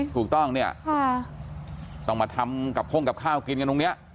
ถูกต้องเนี่ยต้องมาทำกับข้งกับข้าวกินกันตรงนี้